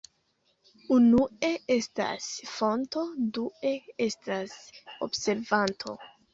Unue estas fonto, due estas observanto.